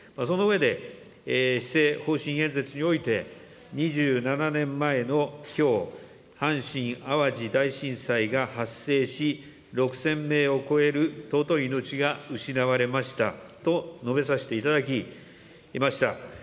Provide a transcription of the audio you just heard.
その上で、施政方針演説において、２７年前のきょう、阪神・淡路大震災が発生し、６０００名を超える尊い命が失われましたと述べさせていただきました。